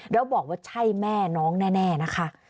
แล้วบอกว่าใช่แม่น้องแน่นะคะ